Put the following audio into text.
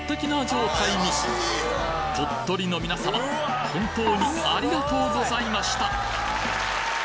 状態に鳥取の皆さま本当にありがとうございました！